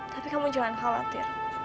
tapi kamu jangan khawatir